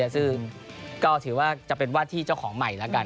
ซึ่งก็ถือว่าจะเป็นวาดที่เจ้าของใหม่แล้วกัน